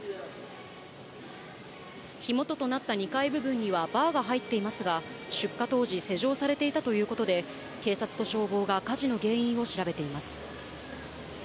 火元となった２階部分にはバーが入っていますが、出火当時、施錠されていたということで、警察と消防が火事の原因を調べています。